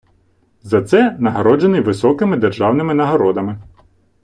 За це нагороджений високими державними нагородами.